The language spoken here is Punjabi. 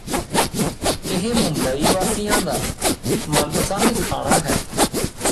ਇਹ ਮੁੰਬਈ ਵਾਸੀਆਂ ਦਾ ਮਨਪਸੰਦ ਖਾਣਾ ਹੈ